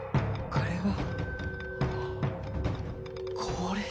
これは！？